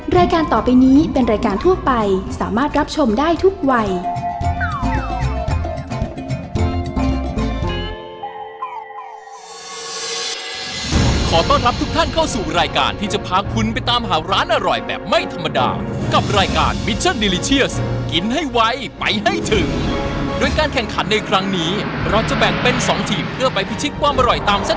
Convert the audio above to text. รายการต่อไปนี้เป็นรายการทั่วไปสามารถรับชมได้ทุกวัย